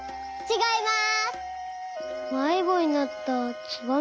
ちがいます。